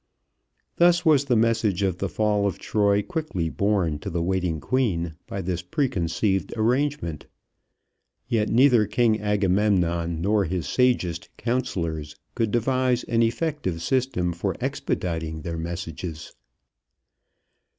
Thus was the message of the fall of Troy quickly borne to the waiting queen by this preconceived arrangement. Yet neither King Agamemnon nor his sagest counselors could devise an effective system for expediting their messages.